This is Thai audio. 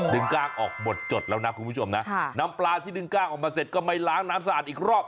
กล้างออกหมดจดแล้วนะคุณผู้ชมนะนำปลาที่ดึงกล้างออกมาเสร็จก็ไม่ล้างน้ำสะอาดอีกรอบ